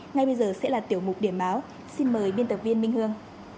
ngay bây giờ sẽ là tiểu mục điểm báo xin mời biên tập viên minh hương